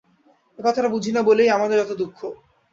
এ কথাটা বুঝি না বলিয়াই আমাদের যত দুঃখ।